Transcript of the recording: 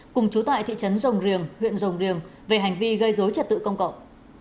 cùng chú tại thị trấn rồng riềng huyện rồng riềng về hành vi gây dối trật tự công cộng